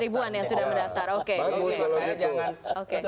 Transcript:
ribuan yang sudah mendaftar